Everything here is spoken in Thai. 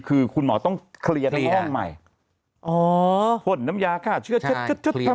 คือคุณหมอต้องเคลียร์ทั้งห้องใหม่ผ่นน้ำยาข้าวเชื้อเช็ดเช็ดเช็ด